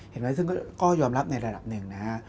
เห็นไหมซึ่งก็ยอมรับในระดับหนึ่งนะฮะ